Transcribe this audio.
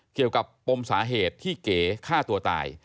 เกี่ยวกับปมสาเหตุที่เก๋ฆ่าตัวตาย